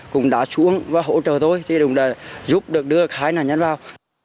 cũng đã xuống và hỗ trợ tôi thì đúng là giúp được đưa hai nạn nhân vào